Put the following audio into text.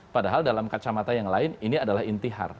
padahal dalam kacamata yang lain ini adalah intihar